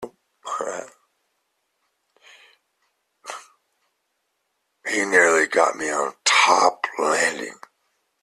He nearly got me on the top landing.